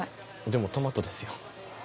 でもトマトですよ。